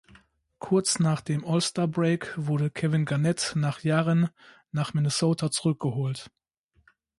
Kurz nach dem All-Star Break wurde Kevin Garnett nach Jahren nach Minnesota zurückgeholt.